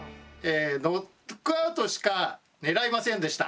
ノックアウトしか狙いませんでした。